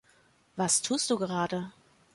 Was tust du gerade?